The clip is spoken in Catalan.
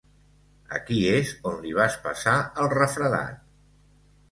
Aquí és on li vas passar el refredat.